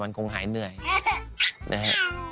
มันคงหายเหนื่อยนะฮะ